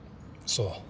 そう。